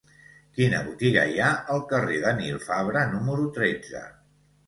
Quina botiga hi ha al carrer de Nil Fabra número tretze?